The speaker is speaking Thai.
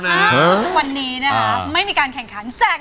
อียมขอบคุณครับ